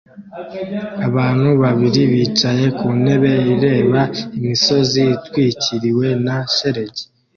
Abantu babiri bicaye ku ntebe ireba imisozi itwikiriwe na shelegi